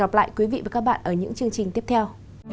hẹn gặp lại quý vị và các bạn ở những chương trình tiếp theo